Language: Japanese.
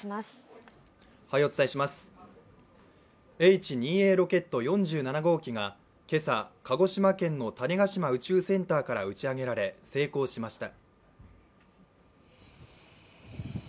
Ｈ２Ａロケット４７号機が今朝、鹿児島県の種子島宇宙センターから打ち上げられ成功しました。